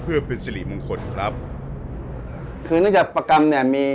ชื่องนี้ชื่องนี้ชื่องนี้ชื่องนี้ชื่องนี้